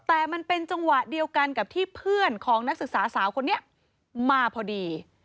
แต่มันเป็นจังหวะเดียวกันกับที่เพื่อนของนักศึกษาสาวคนนี้มาพอดี